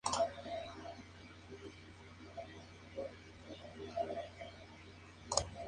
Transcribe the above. Todas las Martas debe ser derrotadas para completar el juego.